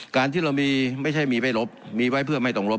การที่เรามีไม่ใช่มีไม่ลบมีไว้เพื่อไม่ตรงรบ